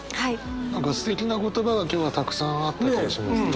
何かすてきな言葉が今日はたくさんあった気がしますね。